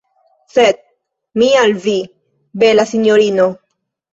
Sed mi al vi, bela sinjorino.